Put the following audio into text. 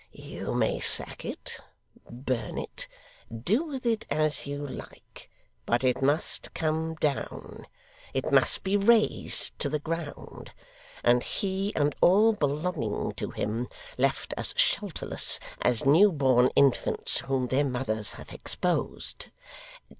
You may sack it, burn it, do with it as you like, but it must come down; it must be razed to the ground; and he, and all belonging to him, left as shelterless as new born infants whom their mothers have exposed.